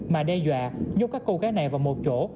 mà đe dọa nhốt các cô gái này vào một chỗ